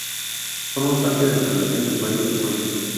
Forma parte de la región del Valle de Puebla.